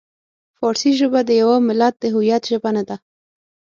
فارسي ژبه د یوه ملت د هویت ژبه نه ده.